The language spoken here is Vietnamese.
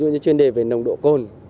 chuyên đề về nồng độ côn